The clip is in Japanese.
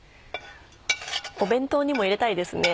お弁当にも入れたいですね。